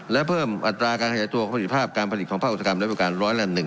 และเพิ่มอัตราการขยายตัวของผลิตภาพการผลิตของภาคอุตสาหกรรมและบริการ๑๐๑